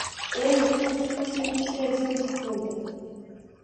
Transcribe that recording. El-yurt suv sepmishday jimjit bo‘ldi.